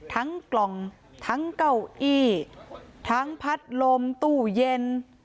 กล่องทั้งเก้าอี้ทั้งพัดลมตู้เย็น